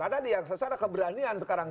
ada di aksesor ada keberanian sekarang